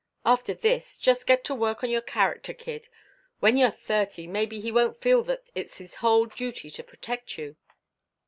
After this, just get to work on your character, kid. When you're thirty maybe he won't feel that it's his whole duty to protect you.